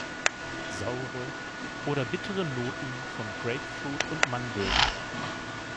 Saure oder bittere Noten von Grapefruit und Mandeln.